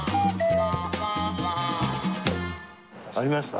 ありました？